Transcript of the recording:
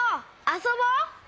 あそぼう！